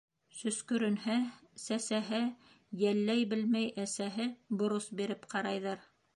— Сөскөрөнһә, сәсәһә Йәлләй белмәй әсәһе, Борос биреп ҡарайҙар